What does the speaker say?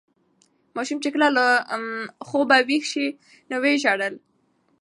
ماشوم چې کله له خوبه ویښ شو نو ویې ژړل.